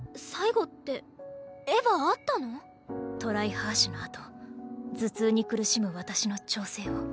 ハーシュのあと頭痛に苦しむ私の調整を。